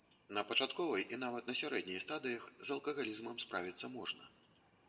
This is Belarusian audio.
На пачатковай і нават на сярэдняй стадыях з алкагалізмам справіцца можна.